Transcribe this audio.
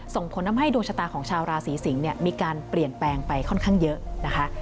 ส่งผลทำให้ดวงชะตาของชาวราศีสิงศ์เนี่ยมีการเปลี่ยนแปลงไปค่อนข้างเยอะนะคะ